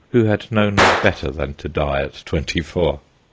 who had known better than to die at twenty four.